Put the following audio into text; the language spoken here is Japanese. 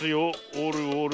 おるおる。